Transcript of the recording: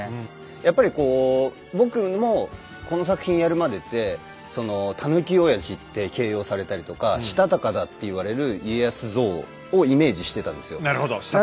やっぱりこう僕もこの作品やるまでってそのタヌキおやじって形容されたりとかしたたかだって言われる家康像をイメージしてたんですよ。